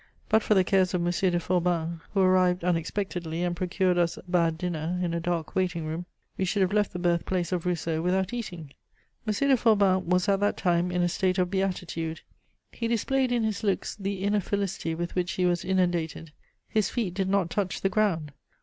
But for the cares of M. de Forbin, who arrived unexpectedly and procured us a bad dinner in a dark waiting room, we should have left the birth place of Rousseau without eating. M. de Forbin was at that time in a state of beatitude; he displayed in his looks the inner felicity with which he was inundated; his feet did not touch the ground.